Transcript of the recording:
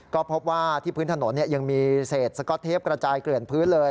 ก็พบว่าที่พื้นถนนยังมีเศษสก๊อตเทปกระจายเกลื่อนพื้นเลย